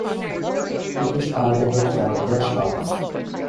It is targeted for desktops.